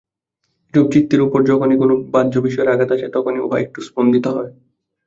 এইরূপ চিত্তের উপর যখনই কোন বাহ্যবিষয়ের আঘাত আসে, তখনই উহা একটু স্পন্দিত হয়।